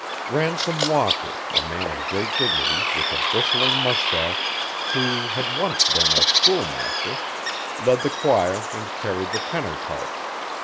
Ransom Walker, a man of great dignity, with a bristling moustache, who had once been a schoolmaster, led the choir and carried the tenor part.